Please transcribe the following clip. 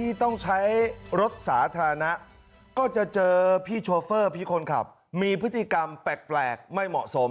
ที่ต้องใช้รถสาธารณะก็จะเจอพี่โชเฟอร์พี่คนขับมีพฤติกรรมแปลกไม่เหมาะสม